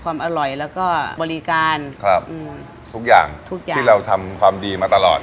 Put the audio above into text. ความอร่อยแล้วก็บริการครับอืมทุกอย่างทุกอย่างที่เราทำความดีมาตลอด